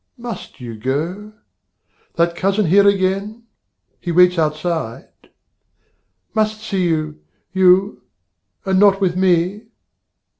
Must you go? That Cousin here again? he waits outside? Must see you you, and not with me?